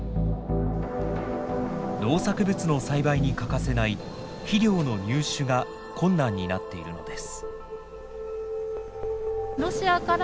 農作物の栽培に欠かせない肥料の入手が困難になっているのです。